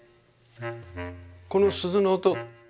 この鈴の音